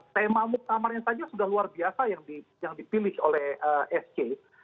tema muktamarnya saja sudah luar biasa yang dipilih oleh sc